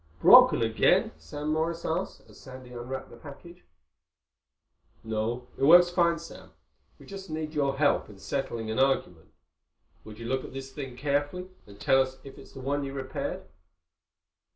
"Broken again?" Sam Morris asked, as Sandy unwrapped the package. "No. It works fine, Sam. We just need your help in settling an argument. Would you look at this thing carefully and tell us if it's the one you repaired?"